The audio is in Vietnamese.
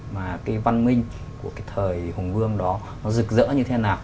và cái văn minh của cái thời hùng vương đó rực rỡ như thế nào